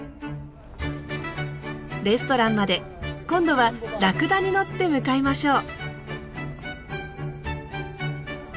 レストランまで今度はラクダに乗って向かいましょう。